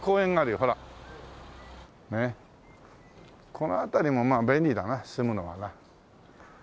この辺りもまあ便利だな住むのはな。